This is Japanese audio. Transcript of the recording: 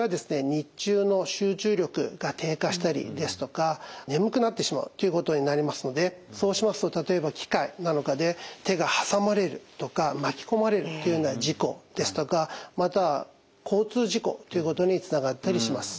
日中の集中力が低下したりですとか眠くなってしまうということになりますのでそうしますと例えば機械なんかで手がはさまれるとかまきこまれるというような事故ですとかまたは交通事故ということにつながったりします。